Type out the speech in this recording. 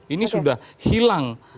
ini sudah hilang